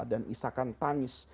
dan isakan tangis